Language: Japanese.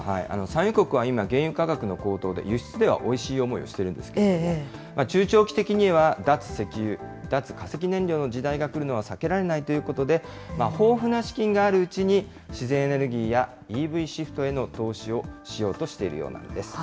産油国は今、原油価格の高騰で、輸出ではおいしい思いをしているんですけれども、中長期的には、脱石油、脱化石燃料の時代が来るのは避けられないということで、豊富な資金があるうちに、自然エネルギーやＥＶシフトへの投資をしようとしているようなんです。